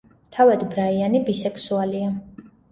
თავად ბრაიანი ბისექსუალია.